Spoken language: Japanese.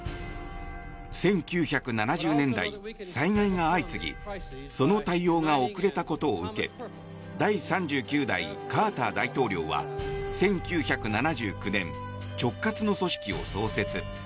１９７０年代、災害が相次ぎその対応が遅れたことを受け第３９代カーター大統領は１９７９年直轄の組織を創設。